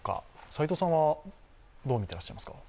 斎藤さんはどう見ていらっしゃいますか？